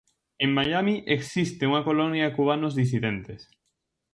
En Miami existe unha colonia de cubanos disidentes.